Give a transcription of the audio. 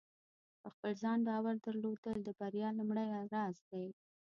په خپل ځان باور درلودل د بریا لومړۍ راز دی.